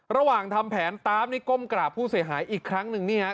ระหว่างทำแผนตามนี่ก้มกราบผู้เสียหายอีกครั้งหนึ่งนี่ฮะ